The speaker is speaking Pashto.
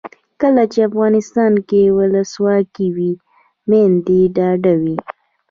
کله چې افغانستان کې ولسواکي وي میندې ډاډه وي.